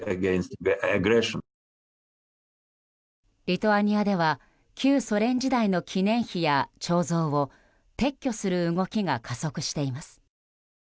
リトアニアでは旧ソ連時代の記念碑や彫像を撤去する動きが加速しています。